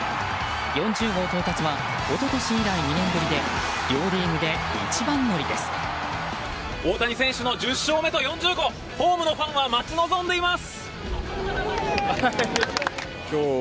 ４０号到達は一昨年以来２年ぶりで大谷選手の１０勝目と４０号ホームのファンは待ち望んでいます。